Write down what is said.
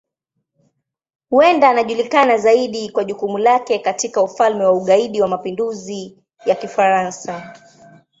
Huenda anajulikana zaidi kwa jukumu lake katika Ufalme wa Ugaidi wa Mapinduzi ya Kifaransa.